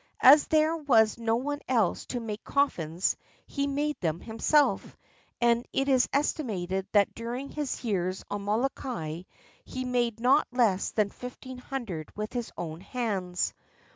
As there was no one else to make coffins, he made them himself, and it is estimated that during his years on Molokai he made not less than fifteen hundred with his own hands.